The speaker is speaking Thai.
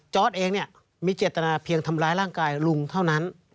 เองเนี่ยมีเจตนาเพียงทำร้ายร่างกายลุงเท่านั้น